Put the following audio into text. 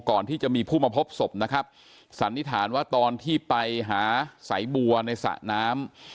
ก่อนที่จะมีผู้มาพบศพนะครับสันนิษฐานว่าตอนที่ไปหาสายบัวในสระน้ำ